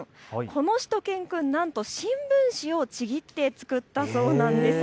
このしゅと犬くん、なんと新聞紙をちぎって作ったそうなんです。